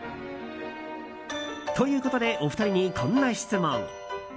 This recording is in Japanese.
ということでお二人にこんな質問。